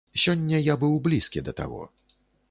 Сёння я быў блізкі да таго.